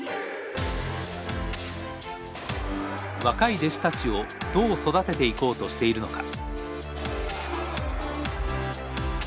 若い弟子たちをどう育てていこうとしているのか。